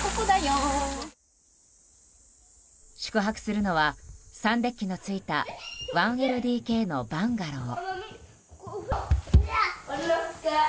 宿泊するのはサンデッキのついた１ＬＤＫのバンガロー。